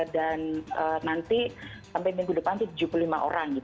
dan nanti sampai minggu depan tujuh puluh lima orang